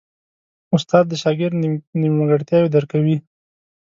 استاد د شاګرد نیمګړتیاوې درک کوي.